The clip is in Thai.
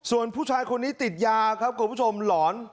ส่วนผู้ชายคนนี้ติดยาครับคุณผู้ชมหลอน